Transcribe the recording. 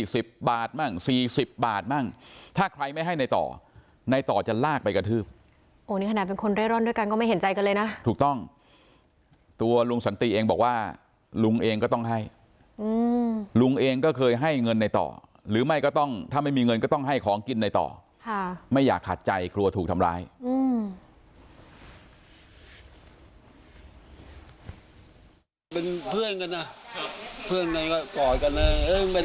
สิบบาทมั่งสี่สิบบาทมั่งถ้าใครไม่ให้ในต่อในต่อจะลากไปกระทืบโอ้นี่ขนาดเป็นคนเร่ร่อนด้วยกันก็ไม่เห็นใจกันเลยนะถูกต้องตัวลุงสันติเองบอกว่าลุงเองก็ต้องให้อืมลุงเองก็เคยให้เงินในต่อหรือไม่ก็ต้องถ้าไม่มีเงินก็ต้องให้ของกินในต่อค่ะไม่อยากขัดใจกลัวถูกทำร้ายอืม